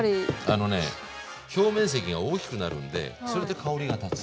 あのね表面積が大きくなるんでそれで香りが立つ。